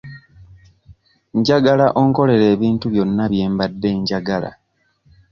Njagala onkolere ebintu byonna bye mbadde njagala.